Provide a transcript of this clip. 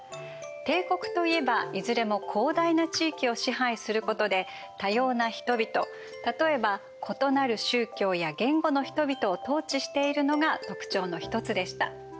帝国といえばいずれも広大な地域を支配することで多様な人々例えば異なる宗教や言語の人々を統治しているのが特徴の一つでした。